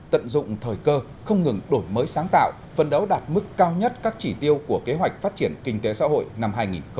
tận dụng thời cơ không ngừng đổi mới sáng tạo phân đấu đạt mức cao nhất các chỉ tiêu của kế hoạch phát triển kinh tế xã hội năm hai nghìn hai mươi